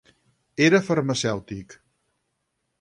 Era farmacèutic.